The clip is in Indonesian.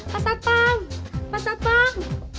pasar pam pasar pam